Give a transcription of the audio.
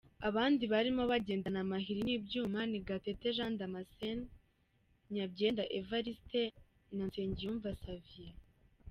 abandi barimo bagendana amahiri n’ibyuma ni Gatete Jean Damascene, Nyabyenda Evariste, Nsengiyumva Xavier.